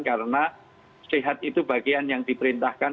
karena sehat itu bagian yang diperintahkan